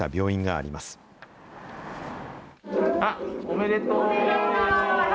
あっ、おめでとう！